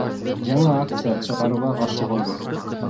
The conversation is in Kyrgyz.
жаңы акция чыгарууга каршы болду.